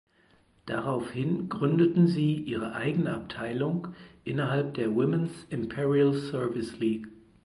Daraufhin gründeten sie ihre eigene Abteilung innerhalb der Women’s Imperial Service League.